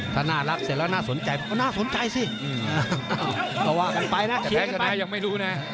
ถ้าน่ารักเสร็จแล้วน่าสนใจน่าสนใจสิเอ้ากันไปนะยังไม่รู้น่ะ